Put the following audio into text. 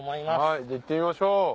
はいでは行ってみましょう。